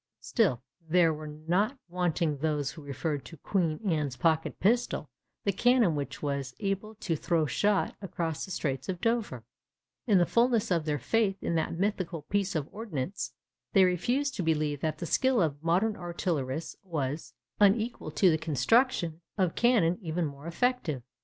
Still there were not wanting those who referred to 'Queen Anne's pocket pistol'—the cannon which was able to throw shot across the Straits of Dover; and in the fulness of their faith in that mythical piece of ordnance, they refused to believe that the skill of modern artillerists was unequal to the construction of cannon even more effective.